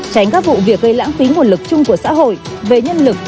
tránh các vụ việc gây lãng phí nguồn lực chung của xã hội về nhân lực